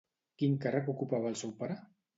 Quin càrrec ocupava el seu pare?